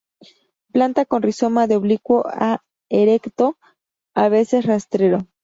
Planta con rizoma de oblicuo a erecto, a veces rastrero.